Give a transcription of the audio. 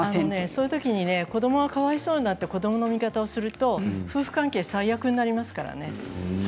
その時、子どもがかわいそうだと子どもの味方をすると夫婦関係が最悪になりますからね。